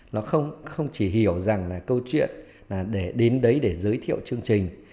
nó không chỉ hiểu rằng là câu chuyện là để đến đấy để giới thiệu chương trình